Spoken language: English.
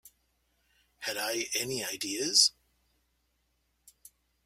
Had I any ideas?